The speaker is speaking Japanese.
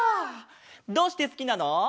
どうしてすきなの？